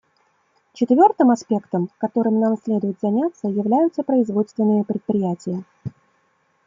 Четвертым аспектом, которым нам следует заняться, являются производственные предприятия.